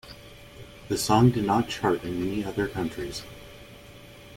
The song did not chart in any other countries.